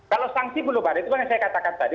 kalau sangsi belum ada itu yang saya katakan tadi